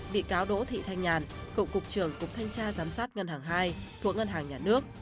bị cáo đỗ thị thanh nhàn cựu cục trưởng cục thanh tra giám sát ngân hàng hai thuộc ngân hàng nhà nước